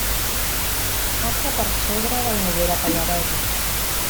Passa per sobre del Noguera Pallaresa.